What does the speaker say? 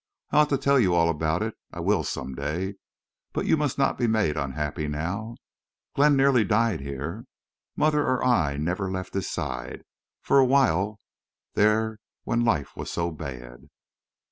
"I ought to tell you all about it. I will some day. But you must not be made unhappy now.... Glenn nearly died here. Mother or I never left his side—for a while there—when life was so bad."